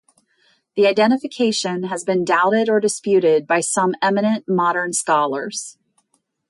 The identification has been doubted or disputed by some eminent modern scholars.